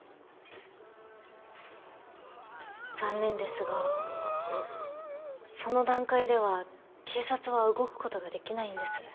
残念ですがその段階では警察は動くことができないんです。